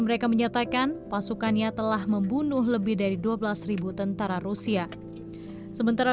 mereka menyatakan pasukannya telah membunuh lebih dari dua belas tentara rusia sementara